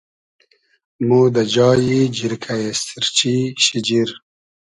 مۉ دۂ جایی جیرکۂ اېستیرچی, شیجیر